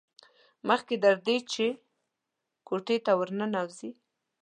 مخکې تر دې چې کوټې ته ور ننوځي.